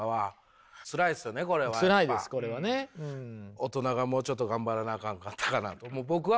大人がもうちょっと頑張らなあかんかったかなと僕は思うんすね。